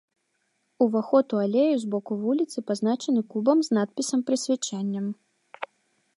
Уваход у алею з боку вуліцы пазначаны кубам з надпісам-прысвячэннем.